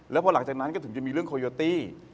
แล้วพอหลังจากนั้นก็ถึงจะมีเรื่องโคโยตี้